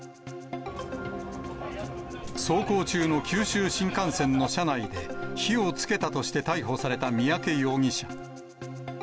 走行中の九州新幹線の車内で、火をつけたとして逮捕された三宅容疑者。